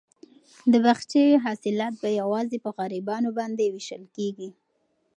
د باغچې حاصلات به یوازې په غریبانو باندې وېشل کیږي.